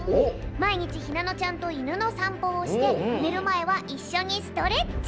まいにちひなのちゃんといぬのさんぽをしてねるまえはいっしょにストレッチ。